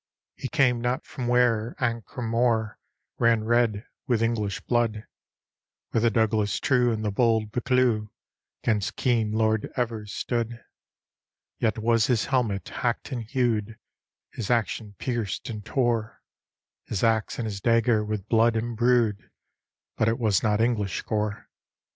He came not from where Ancram Moor Ran red with Enghsh blood; Where the Douglas true and the bold Buccleuch, 'Gainst keen Lord Evcrs stood. Yet was his helmet hack'd and hew'd. His acton pierced and tore, His axe and his dagger with blood imbrued, — But it was not English gore.